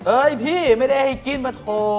เอ้ยพี่ไม่ได้ให้กินบะโถ